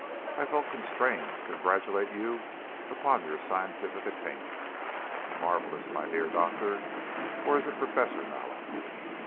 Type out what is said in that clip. I felt constrained to congratulate you upon your scientific attainments. Marvelous, my dear Doctor! Or is it Professor Mallow?"